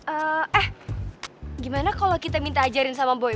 eh gimana kalau kita minta ajarin sama boy